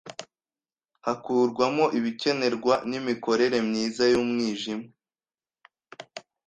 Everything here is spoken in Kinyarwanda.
hakurwamo ibikenerwa n’imikorere myiza y’umwijima